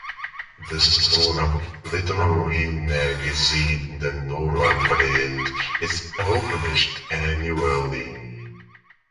The school literary magazine, the "Northwind", is published annually.